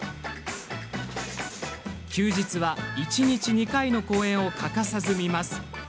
休日は一日２回の公演を欠かさず見ます。